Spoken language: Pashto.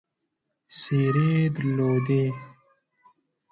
څېرې درلودې.